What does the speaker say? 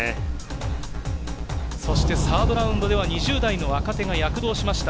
そして３ｒｄラウンドでは２０代の若手が躍動しました。